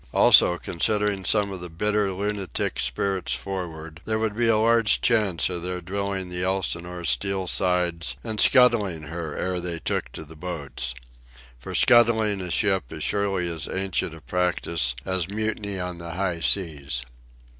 Also, considering some of the bitter lunatic spirits for'ard, there would be a large chance of their drilling the Elsinore's steel sides and scuttling her ere they took to the boats. For scuttling a ship is surely as ancient a practice as mutiny on the high seas.